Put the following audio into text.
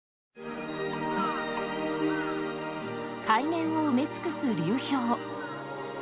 海面を埋め尽くす流氷。